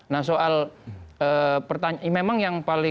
nah soal pertanyaan memang yang paling